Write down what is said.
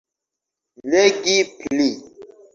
Legi pli.